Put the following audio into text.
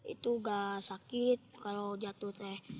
itu gak sakit kalau jatuh teh